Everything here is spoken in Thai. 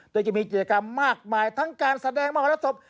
โดยจะมีกิจกรรมมากมายทั้งการแสดงมหรสบ